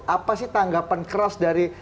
apa sih tanggapan keras dari